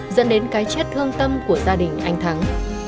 dẫn đến cái chết thương tâm của gia đình anh thắng